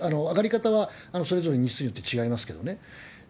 上がり方はそれぞれ日数によって違いますけどね。